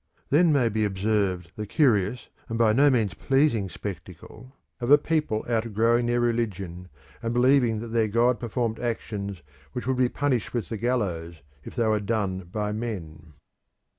Then may be observed the curious and by no means pleasing spectacle of a people outgrowing their religion, and believing that their god performed actions which would be punished with the gallows if they were done by men.